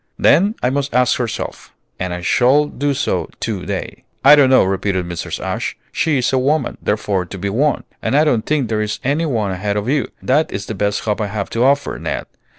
"Then I must ask herself, and I shall do so to day." "I don't know," repeated Mrs. Ashe. "'She is a woman, therefore to be won:' and I don't think there is any one ahead of you; that is the best hope I have to offer, Ned.